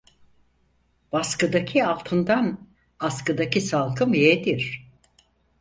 Baskıdaki altından askıdaki salkım yeğdir.